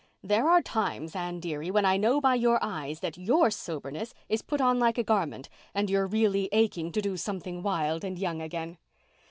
"There are times, Anne dearie, when I know by your eyes that your soberness is put on like a garment and you're really aching to do something wild and young again.